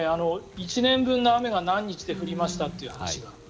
１年分の雨が何日で降りましたという話が。